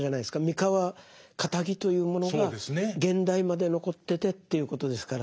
三河かたぎというものが現代まで残っててということですから。